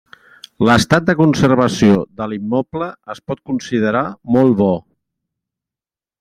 L'estat de conservació de l'immoble es pot considerar molt bo.